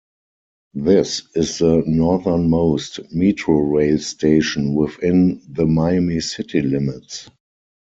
This is the northernmost Metrorail station within the Miami city limits.